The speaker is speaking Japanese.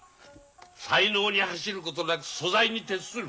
才能に走ることなく素材に徹する。